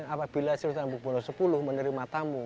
apabila sir sultan mahmud ibn qubon x menerima tamu